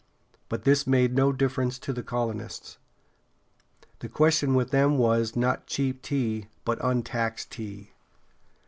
But this made no difference to the colonists. The question with them was not cheap tea, but untaxed tea.